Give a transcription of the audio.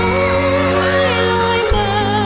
เล็กน้อยลอยมา